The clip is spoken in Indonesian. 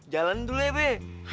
jalanin dulu ya be